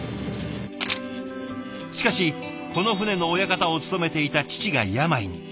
しかしこの船の親方を務めていた父が病に。